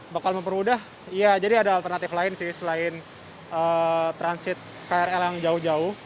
bakal mempermudah ya jadi ada alternatif lain sih selain transit krl yang jauh jauh